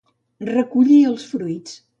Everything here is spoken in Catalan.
Recollir els fruits.